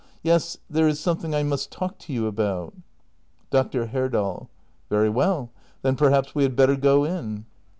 ] Yes, there is something I must talk to you about. Dr. Herdal. Very well; then perhaps we had better go in.